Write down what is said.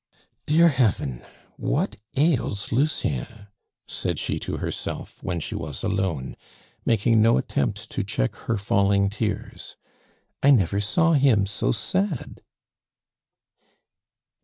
"Dear Heaven! What ails Lucien?" said she to herself when she was alone, making no attempt to check her falling tears; "I never saw him so sad."